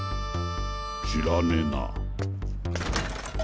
知らねぇな。